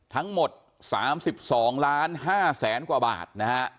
ทั้งหมดสามสิบสองล้านห้าแสนกว่าบาทนะฮะ